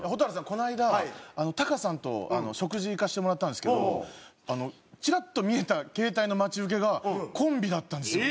この間タカさんと食事行かせてもらったんですけどあのチラッと見えた携帯の待ち受けがコンビだったんですよ！